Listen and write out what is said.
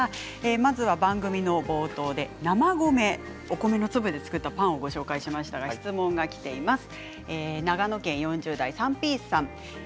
まずは番組の冒頭で生米お米の粒で作ったパンをご紹介しました質問がきています。